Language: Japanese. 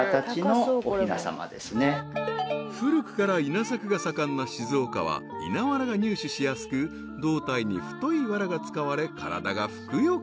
［古くから稲作が盛んな静岡は稲わらが入手しやすく胴体に太いわらが使われ体がふくよか］